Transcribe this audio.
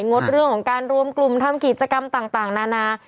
งดเรื่องของการรวมกลุ่มทำกิจกรรมต่างนานา